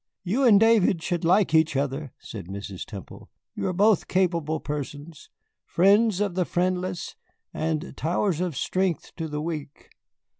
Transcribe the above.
"You and David should like each other," said Mrs. Temple; "you are both capable persons, friends of the friendless and towers of strength to the weak."